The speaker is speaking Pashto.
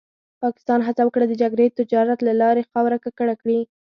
پاکستان هڅه وکړه د جګړې تجارت له لارې خاوره ککړه کړي.